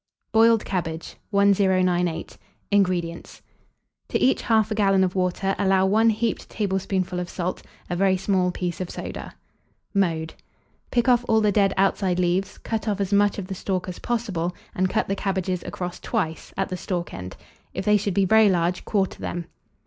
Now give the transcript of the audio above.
BOILED CABBAGE. 1098. INGREDIENTS. To each 1/2 gallon of water allow 1 heaped tablespoonful of salt; a very small piece of soda. Mode. Pick off all the dead outside leaves, cut off as much of the stalk as possible, and cut the cabbages across twice, at the stalk end; if they should be very large, quarter them.